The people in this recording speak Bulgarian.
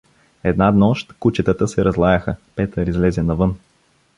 Една нощ кучетата се разлаяха, Петър излезе навън.